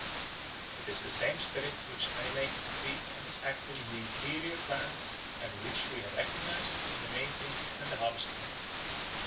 It is the same spirit which animates the tree and is active in the inferior plants and which we have recognised in the May tree and the Harvest May.